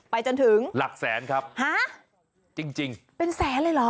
ไปจนถึงหลักแสนครับจริงเป็นแสนเลยเหรอ